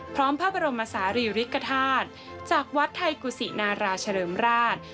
พร้อมพระบรมศาลีริกฐาตุจากวัดไทยกุศินาราเฉลิมราช